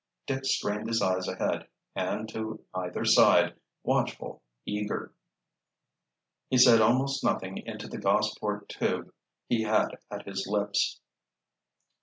Dick strained his eyes ahead, and to either side, watchful, eager. He said almost nothing into the Gossport tube he had at his lips.